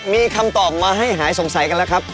มีคำตอบมาให้หายสงสัยกันแล้วครับ